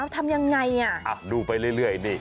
ทำอย่างไรล่ะอ่ะดูไปเรื่อยนี่